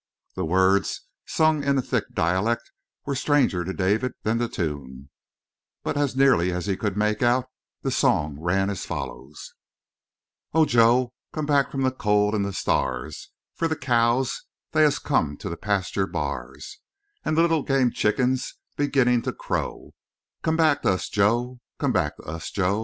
The words, sung in a thick dialect, were stranger to David than the tune, but as nearly as he could make out the song ran as follows: "Oh, Jo, come back from the cold and the stars For the cows they has come to the pasture bars, And the little game chicken's beginning to crow: Come back to us, Jo; come back to us, Jo!